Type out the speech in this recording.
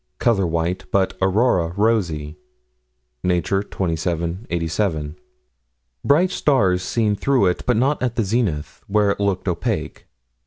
Color white, but aurora rosy (Nature, 27 87). Bright stars seen through it, but not at the zenith, where it looked opaque.